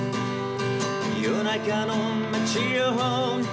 「夜中の街を」